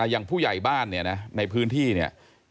อย่างผู้ใหญ่บ้านเนี่ยนะในพื้นที่เนี่ย